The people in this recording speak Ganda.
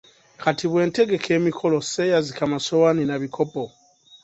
Kati bwe ntegeka emikolo sseeyazika masowaani na bikopo.